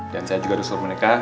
dan saya juga disuruh mereka